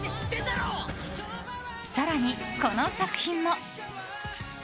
更に、この作品も。